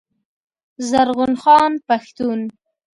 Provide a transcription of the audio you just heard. زرغون خان پښتون